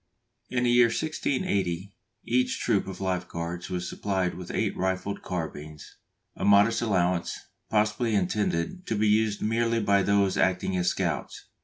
In the year 1680 each troop of Life Guards was supplied with eight rifled carbines, a modest allowance, possibly intended to be used merely by those acting as scouts.